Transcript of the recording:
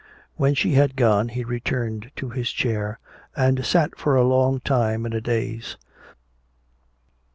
When she had gone he returned to his chair and sat for a long time in a daze.